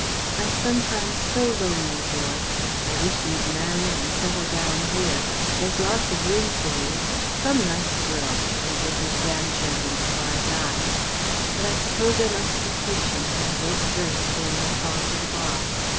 I'm sometimes so lonely, boy. I wish you'd marry and settle down here there's lots of room for you some nice girl and give me grandchildren before I die. But I suppose I must be patient and wait first for your call to the Bar.